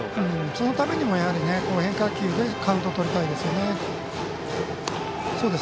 そのためにも変化球でカウントをとりたいですね。